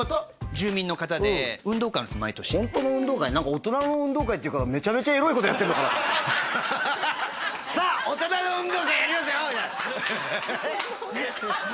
住民の方で運動会あるんです毎年何か大人の運動会って言うからめちゃめちゃエロいことやってんのかなって「さあ大人の運動会やりますよ！」